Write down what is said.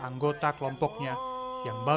mendongeng adalah cara mereka menurunkan ajaran kebarang